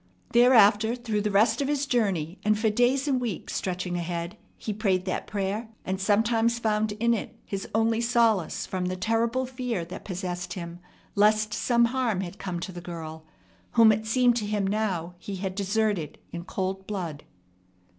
Thereafter through the rest of his journey, and for days and weeks stretching ahead, he prayed that prayer, and sometimes found in it his only solace from the terrible fear that possessed him lest some harm had come to the girl, whom it seemed to him now he had deserted in cold blood.